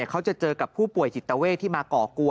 เขาจะเจอกับผู้ป่วยจิตเตอร์เวศที่มาก่อกลัว